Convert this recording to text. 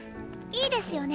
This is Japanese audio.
いいですよね？